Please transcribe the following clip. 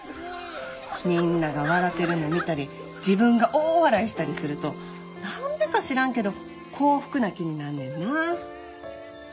みんなが笑てるの見たり自分が大笑いしたりすると何でか知らんけど幸福な気になんねんな。